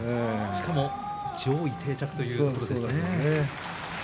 しかも上位定着をということですね。